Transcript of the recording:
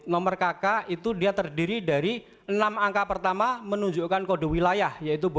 nomor kakak itu dia terdiri dari enam angka pertama menunjukkan kode wilayah